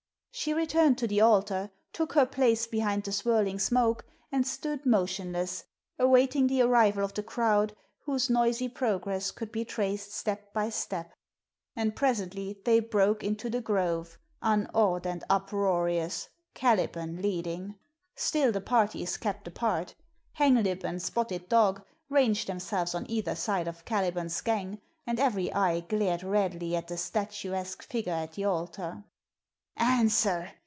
She returned to the altar, took her place behind the swirling smoke, and stood motionless, awaiting the arrival of the crowd whose noisy progress could be traced step by step. And presently they broke into the grove, unawed and uproarious, Caliban leading. Still the parties kept apart. Hanglip and Spotted Dog ranged themselves on either side of Caliban's gang, and every eye glared redly at the statuesque figure at the altar. "Answer!